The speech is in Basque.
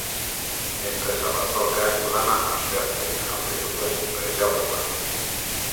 Enpresa-batzordeak plana asteazkenean aurkeztu zuen, prentsaurrekoan.